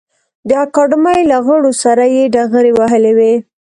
د اکاډمۍ له غړو سره یې ډغرې وهلې وې.